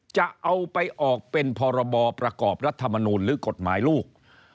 จะเอาไปออกเป็นพรบประกอบรัฐมนูลหรือกฎหมายลูก